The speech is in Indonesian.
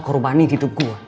korbani hidup gue